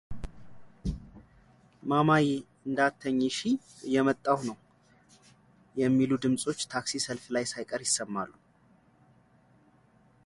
ማማዬ እንዳትኚ እሺ እየመጣሁ ነው የሚሉ ድምጾች ታክሲ ሰልፍ ላይ ሳይቀር ይሰማሉ።